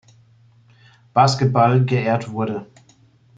Basketball” geehrt wurde.